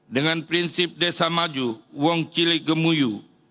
dengan prinsip desa maju wong cilik gemuyu